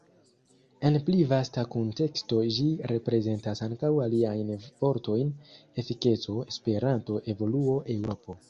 En pli vasta kunteksto ĝi reprezentas ankaŭ aliajn vortojn: Efikeco, Esperanto, Evoluo, Eŭropo.